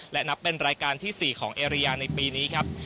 และนับเป็นรายการที่๔ของเอเรียในปีนี้ครับ